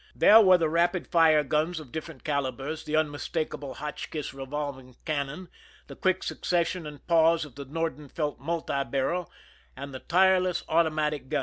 There were the rapid fire guns of different calibers, the unmistakable Hotchkiss revolving cannon, the quick succession and pause of the Nordenfelt multi barrel, and the tireless automatic gun.